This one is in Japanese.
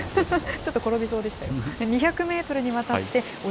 ちょっと転びそうでしたよ。